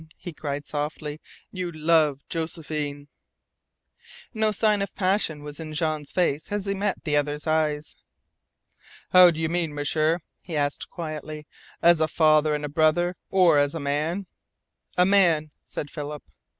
he cried softly, "you love Josephine!" No sign of passion was in Jean's face as he met the other's eyes. "How do you mean, M'sieur?" he asked quietly. "As a father and a brother, or as a man?" "A man," said Philip.